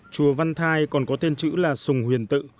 chùa văn thai còn có tên chữ là sùng huyền tự